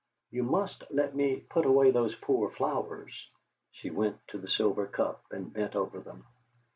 You must let me put away those poor flowers!" She went to the silver cup and bent over them.